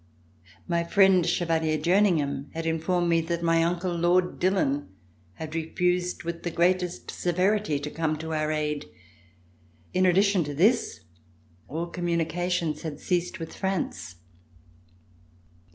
My friend. Chevalier Jerningham, had in formed me that my uncle, Lord Dillon, had refused with the greatest severity to come to our aid. In addition to this, all communications had ceased with France.